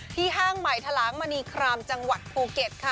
ห้างใหม่ทะลางมณีครามจังหวัดภูเก็ตค่ะ